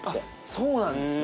そうなんですね。